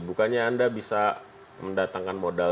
bukannya anda bisa mendatangkan modal